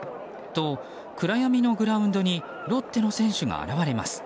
と、暗闇のグラウンドにロッテの選手が現れます。